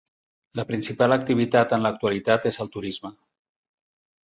La principal activitat en l'actualitat és el turisme.